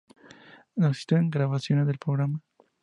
No existen grabaciones del programa.